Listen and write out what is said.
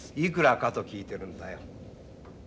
いくらかと聞いてるんだよ。